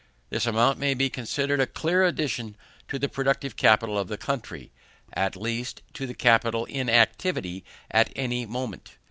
This amount may be considered a clear addition to the productive capital of the country; at least, to the capital in activity at any moment.